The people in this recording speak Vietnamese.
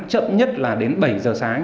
chậm nhất là đến bảy giờ sáng